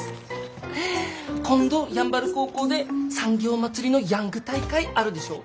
今度山原高校で産業まつりのヤング大会あるでしょ？